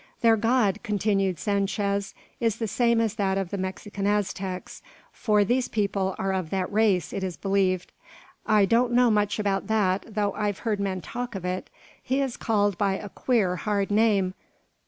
"Their god," continued Sanchez, "is the same as that of the Mexican Aztecs; for these people are of that race, it is believed. I don't know much about that, though I've heard men talk of it. He is called by a queer, hard name.